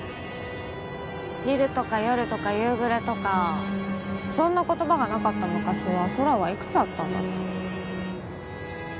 昼とか夜とか夕暮れとかそんな言葉がなかった昔は空はいくつあったんだろう？